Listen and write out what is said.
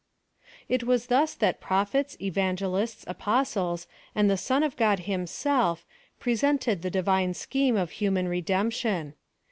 It was thus that Prophets, Evangelists, Apostles, and the son of God himself, piesented tlie divine scheme of human redemption.